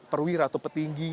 perwira atau petinggi